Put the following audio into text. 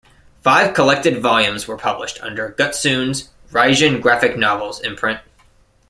Five collected volumes were published under Gutsoon's "Raijin Graphic Novels" imprint.